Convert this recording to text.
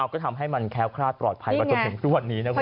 ก็ทำให้มันแค้วคลาดปลอดภัยมาจนถึงทุกวันนี้นะคุณ